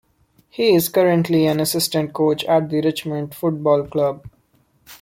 He is currently an assistant coach at the Richmond Football Club.